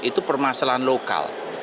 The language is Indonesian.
itu permasalahan lokal